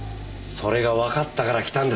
それがわかったから来たんです。